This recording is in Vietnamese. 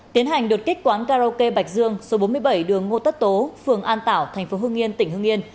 tiến hành đột kích quán karaoke bạch dương số bốn mươi bảy đường ngô tất tố phường an tảo tp hương yên tỉnh hương yên